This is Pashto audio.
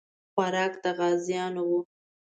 خوراک د غازیانو وو.